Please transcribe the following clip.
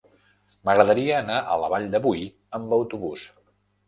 M'agradaria anar a la Vall de Boí amb autobús.